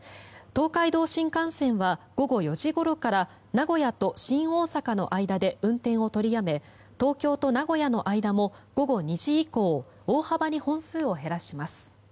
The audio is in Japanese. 東海道新幹線は午後４時ごろから名古屋と新大阪の間で運転を取りやめ東京と名古屋の間も午後２時以降大幅に本数を減らします。